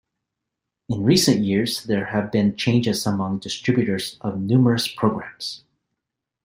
In recent years, there have been changes among distributors of numerous programs.